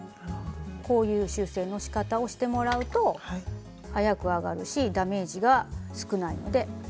こういう修正のしかたをしてもらうと早く上がるしダメージが少ないので。